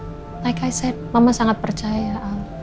seperti yang saya katakan mama sangat percaya al